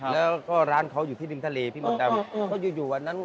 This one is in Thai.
แล้วก็ร้านเขาอยู่ที่ดิมทะเลพี่หมดตาม